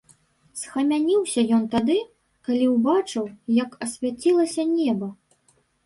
Схамянуўся ён тады, калі ўбачыў, як асвяцілася неба.